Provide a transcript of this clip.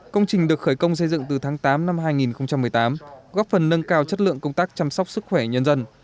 công trình được khởi công xây dựng từ tháng tám năm hai nghìn một mươi tám góp phần nâng cao chất lượng công tác chăm sóc sức khỏe nhân dân